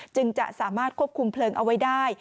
จึงจะสามารถควบคุมเพลิงเอาไว้ได้